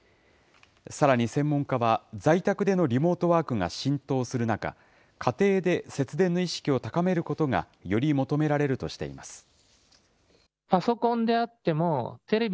さらに専門家は、在宅でのリモートワークが浸透する中、家庭で節電の意識を高めることが、より求められるとしています。